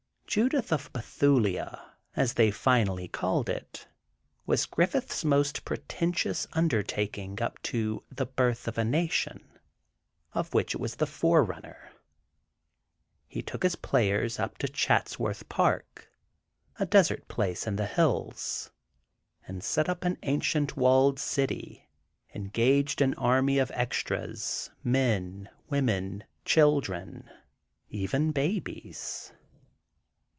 "Judith of Bethulia," as they finally called it, was Griffith's most pretentious undertaking up to "The Birth of a Nation," of which it was the forerunner. He took his players up to Chatsworth Park, a desert place in the hills, and set up an ancient walled city, engaged an army of extras, men, women, children, even babies.